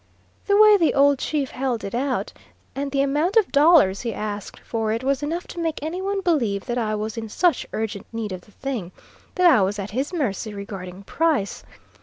The way the old chief held it out, and the amount of dollars he asked for it, was enough to make any one believe that I was in such urgent need of the thing, that I was at his mercy regarding price.